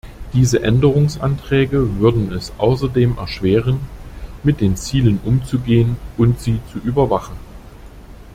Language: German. Diese Änderungsanträge würden es außerdem erschweren, mit den Zielen umzugehen und sie zu überwachen.